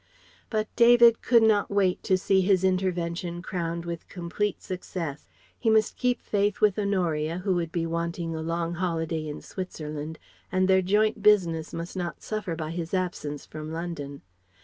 But David could not wait to see his intervention crowned with complete success. He must keep faith with Honoria who would be wanting a long holiday in Switzerland; and their joint business must not suffer by his absence from London.